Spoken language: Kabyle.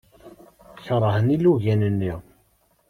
Keṛhen ilugan-nni.